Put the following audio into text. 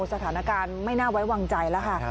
สถานการณ์ไม่น่าไว้วางใจแล้วค่ะ